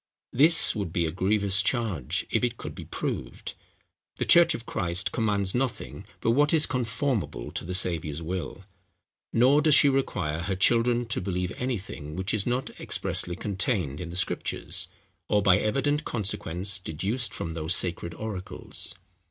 This would be a grievous charge, if it could be proved. The church of Christ commands nothing but what is comformable to the Saviour's will; nor does she require her children to believe anything, which is not expressly contained in the Scriptures, or by evident consequence deduced from those sacred oracles.